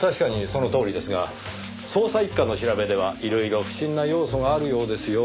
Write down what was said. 確かにそのとおりですが捜査一課の調べではいろいろ不審な要素があるようですよ。